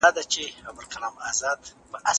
که ته په خدای توکل وکړې نو کارونه به دې سم شي.